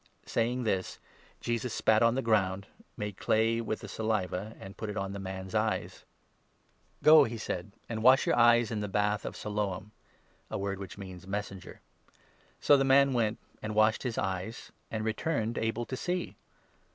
Saying this, Jesus spat on the ground, made clay with the 6 saliva, and put it on the man's eyes. 184 JOHN, 9. " Go," he said, " and wash your eyes in the Bath of Siloam " 7 (a word which means ' Messenger '). So the man went and washed his eyes, and returned able to see.